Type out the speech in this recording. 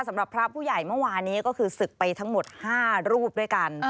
สำหรับพระผู้ใหญ่เมื่อวานนี้ก็คือศึกไปทั้งหมด๕รูปด้วยกัน